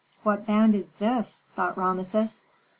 "What band is this?" thought Rameses.